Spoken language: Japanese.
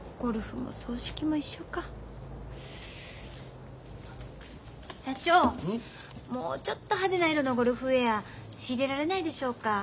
もうちょっと派手な色のゴルフウエア仕入れられないでしょうか？